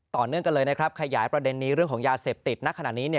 ต่อเนื่องกันเลยนะครับขยายประเด็นนี้เรื่องของยาเสพติดณขณะนี้